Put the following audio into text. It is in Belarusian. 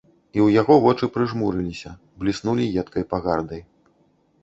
І ў яго вочы прыжмурыліся, бліснулі едкай пагардай.